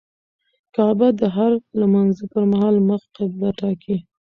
کعبه د هر لمونځه پر مهال مخ قبله ټاکي.